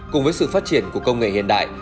cùng với sự phát triển của công nghệ hiện đại